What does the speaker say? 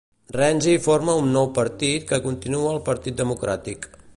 Renzi forma un nou partit que continua el partit Democràtic.